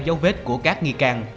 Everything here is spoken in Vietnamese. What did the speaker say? dấu vết của các nghi can